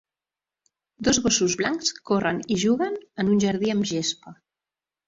Dos gossos blancs corren i juguen en un jardí amb gespa.